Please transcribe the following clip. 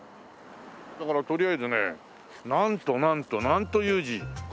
だからとりあえずねなんとなんと南都雄二。